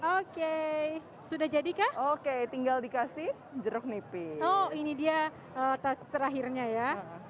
oke sudah jadikah oke tinggal dikasih jeruk nipis oh ini dia terakhirnya ya